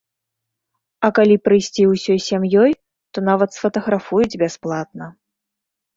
А калі прыйсці ўсёй сям'ёй, то нават сфатаграфуюць бясплатна.